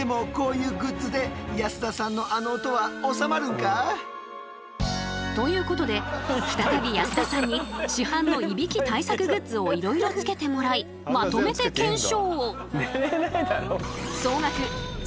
こうしたということで再び安田さんに市販のいびき対策グッズをいろいろつけてもらいまとめて検証。